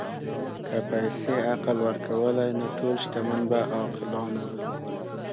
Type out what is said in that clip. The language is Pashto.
که پیسې عقل ورکولی، نو ټول شتمن به عاقلان وای.